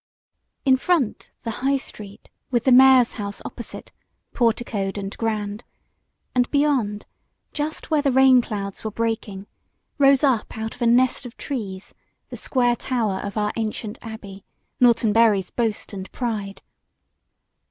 In front the High Street, with the mayor's house opposite, porticoed and grand: and beyond, just where the rain clouds were breaking, rose up out of a nest of trees, the square tower of our ancient abbey Norton Bury's boast and pride.